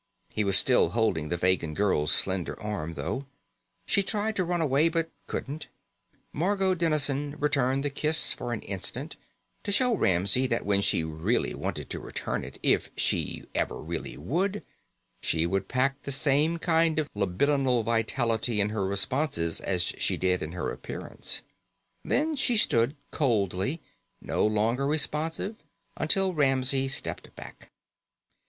He was still holding the Vegan girl's slender arm, though. She tried to run away but couldn't. Margot Dennison returned the kiss for an instant, to show Ramsey that when she really wanted to return it, if she ever really would, she would pack the same kind of libidinal vitality in her responses as she did in her appearance; then she stood coldly, no longer responsive, until Ramsey stepped back.